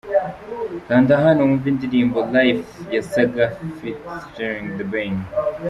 Kanda hano wumve indirimbo 'Life' ya Saga ft The Ben.